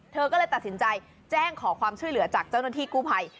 เธอก็เลยตัดสินใจแจ้งขอความช่วยเหลือจากเจ้าหน้าที่กู้ภัย